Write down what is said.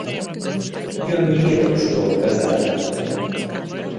Ён не ведаў, што адказаць.